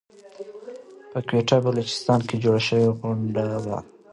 په کويټه بلوچستان کې جوړه شوى غونډه وه .